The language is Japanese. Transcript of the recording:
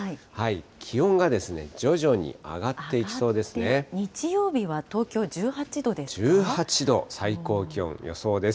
気温が徐々に上がっていきそうで上がって、日曜日は東京１８１８度、最高気温、予想です。